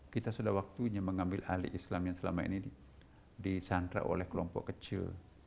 kita sudah waktunya mengambil alih islam yang selama ini disandra oleh kelompok kecil